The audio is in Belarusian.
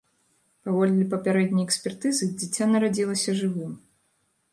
Паводле папярэдняй экспертызы, дзіця нарадзілася жывым.